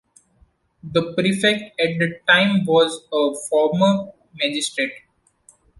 The Prefect at the time was a former magistrate.